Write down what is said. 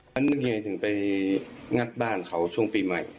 นึกยังไงถึงไปงัดบ้านเขาช่วงปีใหม่